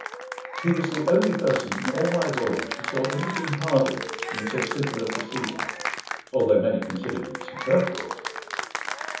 He was the only person, in all my voyage, who saw anything hardy in so simple a proceeding; although many considered it superfluous.